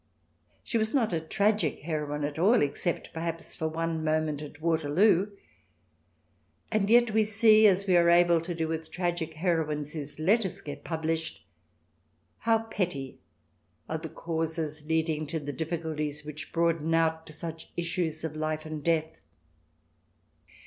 She was not a tragic heroine at all, except, perhaps, for one moment at Waterloo. And yet we see, as we are able to do, with tragic heroines, whose letters get published, how petty are the causes leading to the difficulties which broaden out to such issues of life and death.